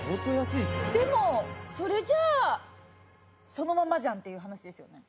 でもそれじゃあそのままじゃんっていう話ですよね。